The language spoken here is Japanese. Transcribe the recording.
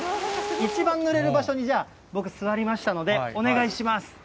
一番ぬれる場所に、じゃあ、僕、座りましたので、お願いします。